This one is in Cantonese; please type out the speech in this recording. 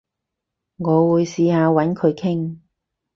我會試下搵佢傾